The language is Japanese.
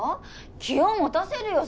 気を持たせるよ